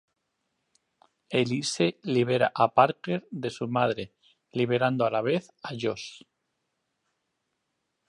Elise libera a Parker de su madre liberando a la vez a Josh.